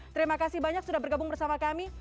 terima kasih banyak sudah bergabung bersama kami